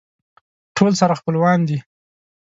ټول سره خپلوان دي.